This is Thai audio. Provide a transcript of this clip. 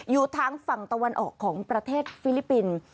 อยู่ทางฝั่งตะวันออกของประเทศฟิลิปปินส์